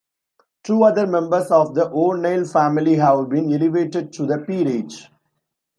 Two other members of the O'Neill family have been elevated to the peerage.